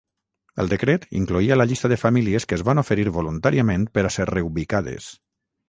El decret incloïa la llista de famílies que es van oferir voluntàriament per a ser reubicades.